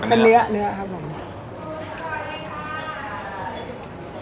เป็นเนื้อครับผม